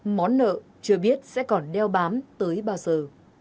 món nợ chưa biết sẽ còn đeo bám tới bao giờ